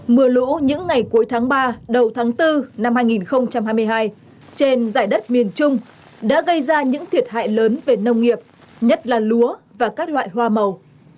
mưa lũ những ngày cuối tháng ba đầu tháng bốn năm hai nghìn hai mươi hai trên giải đất miền trung đã gây ra những thiệt hại lớn về nông nghiệp nhất là lúa và các loại hoa màu